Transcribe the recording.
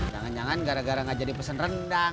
jangan jangan gara gara nggak jadi pesan rendang